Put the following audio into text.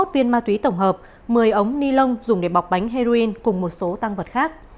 một trăm chín mươi một viên ma túy tổng hợp một mươi ống ni lông dùng để bọc bánh heroin cùng một số tăng vật khác